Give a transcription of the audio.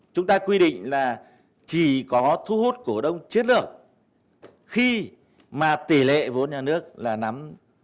chúng ta quy định là chỉ có thu hút cổ đông chiến lược khi mà tỷ lệ vốn nhà nước là nắm